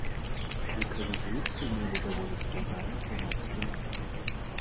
Мікранезійцы мелі даволі складаны грамадскі лад.